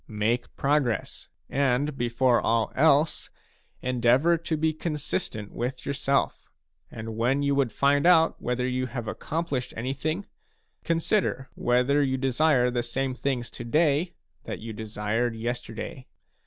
Make progress, and, before all else, endeavour to be consistent with your self. And when you would find out whether you have accomplished anything, consider whether you desire the same things to day that you desired yesterday.